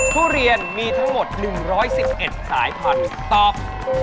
ทุเรียนมีทั้งหมด๑๑๑สายพันธุ์ตอบ